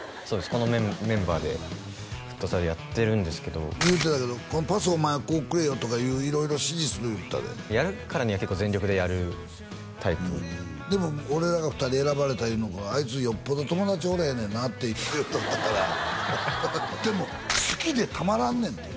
このメンバーでフットサルやってるんですけど言うてたけど「パスをこうくれよ」とかいう色々指示する言うてたでやるからには結構全力でやるタイプでも俺らが２人選ばれたいうのが「あいつよっぽど友達おれへんねんな」って言うとったからハハハでも好きでたまらんねんって